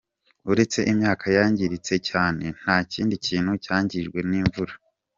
Uretse imyaka yangiritse cyane, nta kindi kintu cyangijwe n’imvura.